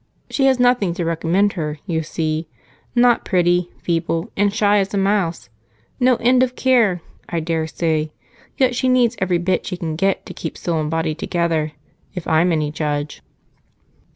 She has nothing to recommend her, you see not pretty; feeble; shy as a mouse; no end of care, I daresay yet she needs every bit she can get to keep soul and body together, if I'm any judge."